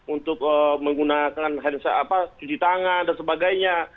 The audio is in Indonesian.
untuk menggunakan cuci tangan dan sebagainya